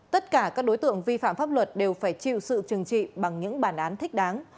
tất cả các đối tượng vi phạm pháp luật đều phải chịu sự trừng trị bằng những bản án thích đáng